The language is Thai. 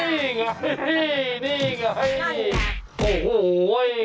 นั่นไง